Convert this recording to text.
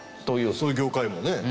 そういう業界もね。